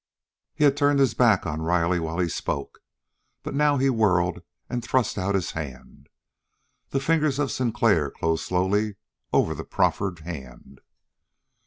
He had turned his back on Riley while he spoke, but now he whirled and thrust out his hand. The fingers of Sinclair closed slowly over the proffered hand.